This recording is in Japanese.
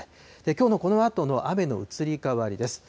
きょうのこのあとの雨の移り変わりです。